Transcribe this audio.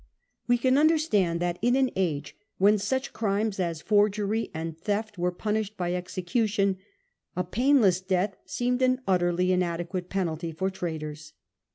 We can understand that in an age when such crimes as forgery and theft were punished by execution, a painless death seemed an utterly inadequate penalty for traitors.